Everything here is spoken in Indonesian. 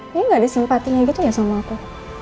dia gak ada simpatinya gitu ya sama aku